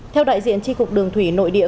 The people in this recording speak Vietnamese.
theo đại diện tri cục đường thủy nội địa